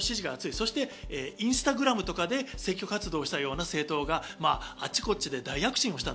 そしてインスタグラムとかで選挙活動をするような政党があちこちで大躍進した。